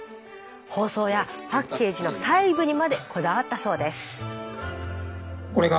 包装やパッケージの細部にまでこだわったそうです。